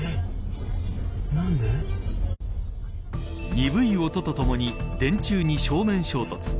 鈍い音とともに電柱に正面衝突。